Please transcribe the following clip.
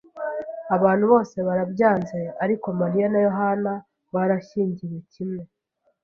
Abantu bose barabyanze, ariko Mariya na Yohana barashyingiwe kimwe.